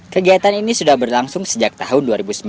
kegiatan ini sudah berlangsung sejak tahun dua ribu sembilan